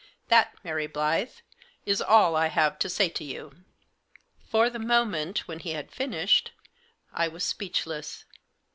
That, Mary Blyth, is all I have to say to you." For the moment, when he had finished, I was speechless.